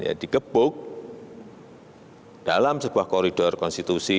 ya dikebuk dalam sebuah koridor konstitusi